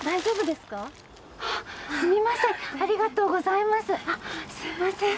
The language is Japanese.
すみません。